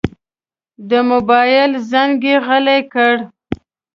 د موبایل زنګ یې غلی کړ.